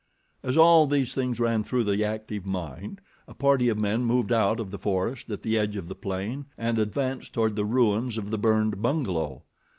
As all these things ran through the active mind, a party of men moved out of the forest at the edge of the plain and advanced toward the ruins of the burned bungalow.